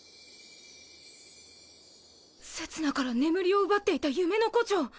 せつなから眠りを奪っていた夢の胡蝶。